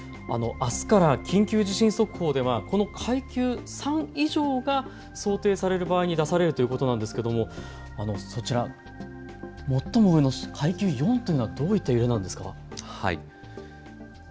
あすから緊急地震速報ではこの階級３以上が想定される場合に出されるということなんですけれどもそちら最も上の階級４というのはどういう揺れなんですか。